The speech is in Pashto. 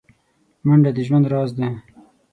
منډه د ژوند راز دی